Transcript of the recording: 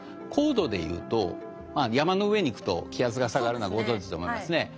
高度でいうと山の上に行くと気圧が下がるのはご存じと思いますね。